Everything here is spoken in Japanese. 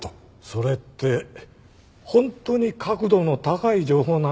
それって本当に確度の高い情報なの？